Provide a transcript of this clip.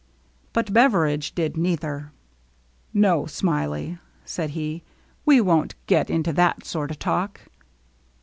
But Beveridge did neither. " No, Smiley," said he, " we won't get into that sort o' talk."